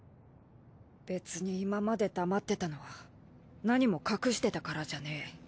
別に今まで黙ってたのはなにも隠してたからじゃねえ。